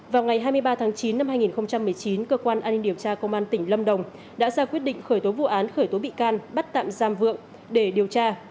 vào ngày hai mươi ba tháng chín năm hai nghìn một mươi chín cơ quan an ninh điều tra công an tỉnh lâm đồng đã ra quyết định khởi tố vụ án khởi tố bị can bắt tạm giam vượng để điều tra